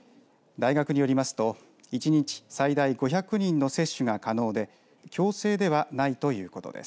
大学によりますと１日最大５００人の接種が可能で強制ではないということです。